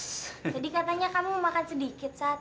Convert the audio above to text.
jadi katanya kamu makan sedikit saat